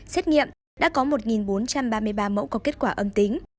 xét nghiệm đã có một bốn trăm ba mươi ba mẫu có kết quả âm tính